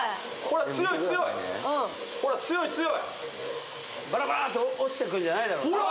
ほら強い強いバラバラッと落ちてくるんじゃないだろほら！